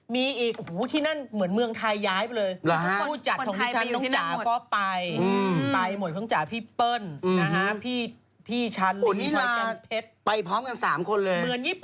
มีอีกโอ้โหที่นั่นเหมือนเมืองไทยย้ายไปเลย